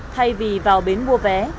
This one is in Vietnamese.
thay vì vào bến mua vé